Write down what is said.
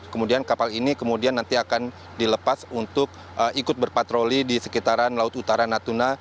kemudian kapal ini kemudian nanti akan dilepas untuk ikut berpatroli di sekitaran laut utara natuna